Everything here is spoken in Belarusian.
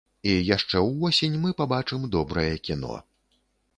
І яшчэ ўвосень мы пабачым добрае кіно.